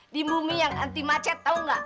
di bumi yang anti macet tau nggak